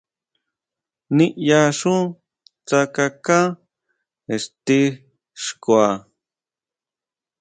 ʼNiʼyaxú tsákaká ixti xkua.